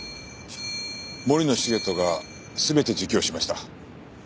森野重人が全て自供しました。